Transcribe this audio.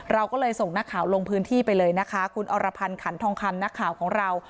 เราก็เลยส่งนักข่าวลงพื้นที่ไปเลยนะคะคุณอรพันธ์ขันทองคำนักข่าวของเรา